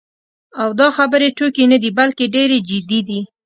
او دا خبرې ټوکې نه دي، بلکې ډېرې جدي دي.